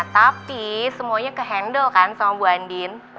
tapi semuanya ke handle kan sama bu andin